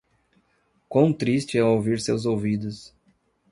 Quão triste é ouvir seus ouvidos.